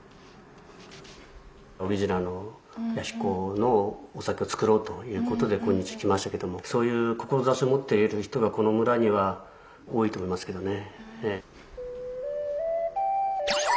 オリジナルの弥彦のお酒を造ろうという事で今日来ましたけどもそういう志を持っている人がこの村には多いと思いますけどね。